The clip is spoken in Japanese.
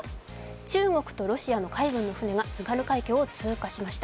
中国のロシア海岸の船が津軽海峡を通過しました。